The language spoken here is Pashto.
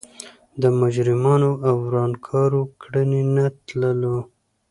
د مجرمانو او ورانکارانو کړنې نه تلو.